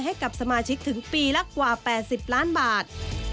ให้กับสมาชิกถึงปีละกว่า๘๐ล้านบาท